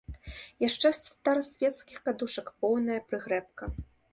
Яшчэ старасвецкіх кадушак поўна прыгрэбка.